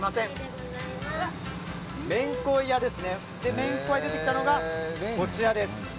麺恋屋で出てきたのがこちらです。